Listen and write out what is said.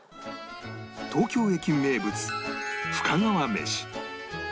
東京駅名物深川めし